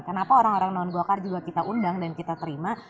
kenapa orang orang non golkar juga kita undang dan kita terima